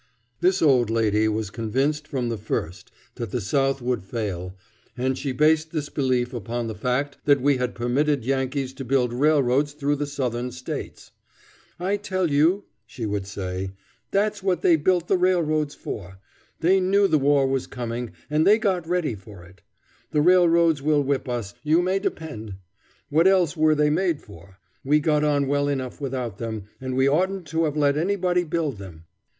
This old lady was convinced from the first that the South would fail, and she based this belief upon the fact that we had permitted Yankees to build railroads through the Southern States. "I tell you," she would say, "that's what they built the railroads for. They knew the war was coming, and they got ready for it. The railroads will whip us, you may depend. What else were they made for? We got on well enough without them, and we oughtn't to have let anybody build them."